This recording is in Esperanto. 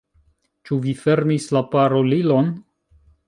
Ĉu vi fermis la parolilon?